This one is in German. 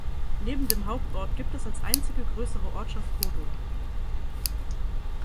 Neben dem Hauptort gibt es als einzige größere Ortschaft Coto.